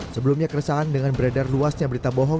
sebelumnya keresahan dengan beredar luasnya berita bohong